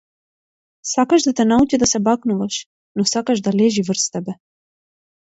Сакаш да те научи да се бакнуваш, но сакаш да лежи врз тебе.